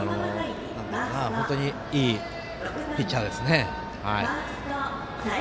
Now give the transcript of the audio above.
本当に、いいピッチャーですね。